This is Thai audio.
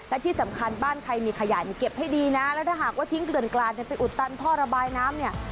และที่สำคัญบ้านใครมีขยะเนี่ยเก็บให้ดีนะแล้วถ้าหากว่าทิ้งเกลื่อนกลาดเนี่ยไปอุดตันท่อระบายน้ำเนี่ย